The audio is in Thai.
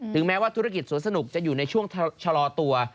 แม้ว่าธุรกิจสวนสนุกจะอยู่ในช่วงชะลอตัว